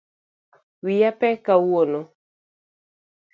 Wiya pek kawuono